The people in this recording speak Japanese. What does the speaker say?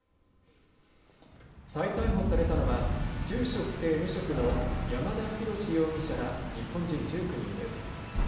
再逮捕されたのは住所不定無職の山田大志容疑者ら日本人１９人です。